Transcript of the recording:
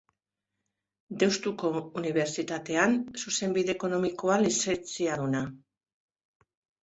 Deustuko Unibertsitatean Zuzenbide ekonomikoan lizentziaduna.